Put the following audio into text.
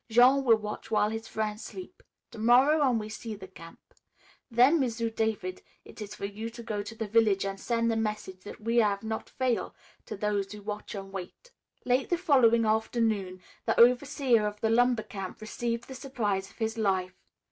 Jean will watch while his frien's sleep. To morrow an' we see the camp. Then, M'sieu' David, it is for you to go to the village an' sen' the message that we hav' not fail, to those who watch an' wait." Late the following afternoon the overseer of the lumber camp received the surprise of his life.